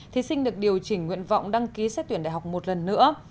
thí sinh được điều chỉnh nguyện vọng đăng ký xét tuyển đại học một lần nữa